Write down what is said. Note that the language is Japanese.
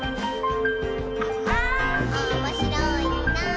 「おもしろいなぁ」